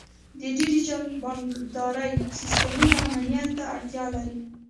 د ډیجیټل بانکدارۍ سیستمونه امنیت ته اړتیا لري.